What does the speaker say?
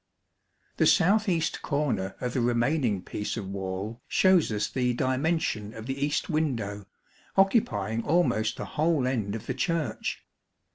The south east corner of the remaining piece of wall shows us the dimension of the east window, occupying almost the whole end of the Church.